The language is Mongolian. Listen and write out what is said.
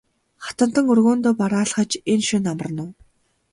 Хатантан өргөөндөө бараалхаж энэ шөнө амарна уу?